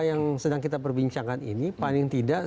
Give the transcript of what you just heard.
yang sedang kita perbincangkan ini paling tidak